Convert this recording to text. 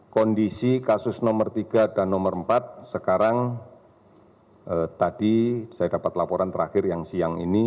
kondisi kasus nomor tiga dan nomor empat sekarang tadi saya dapat laporan terakhir yang siang ini